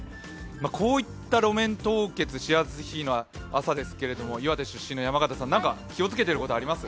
こういった路面凍結しやすい朝ですけれども、岩手出身の山形さん、何か気をつけてることありますか。